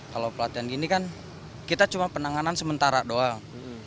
kalau pelatihan gini kan kita cuma penanganan sementara doang